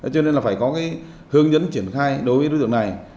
cho nên là phải có cái hướng dẫn triển khai đối với đối tượng này